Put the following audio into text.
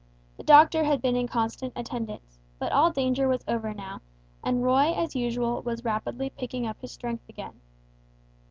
The doctor had been in constant attendance; but all danger was over now, and Roy as usual was rapidly picking up his strength again.